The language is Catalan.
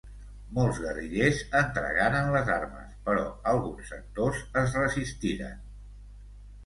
Molts guerrillers entregaren les armes, però alguns sectors es resistiren.